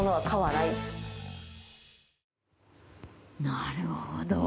なるほど。